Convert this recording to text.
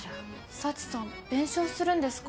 幸さん弁償するんですか？